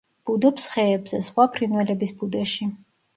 ბუდობს ხეებზე სხვა ფრინველების ბუდეში.